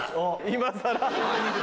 今さら？